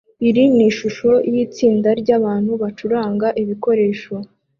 Iri ni ishusho yitsinda ryabantu bacuranga ibikoresho